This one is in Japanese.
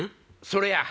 それや！